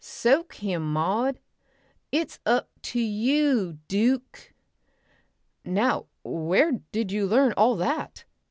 Soak him, Maud! It's up to you, Duke...." "Now where did you learn all that?"